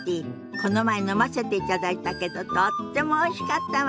この前飲ませていただいたけどとってもおいしかったわ。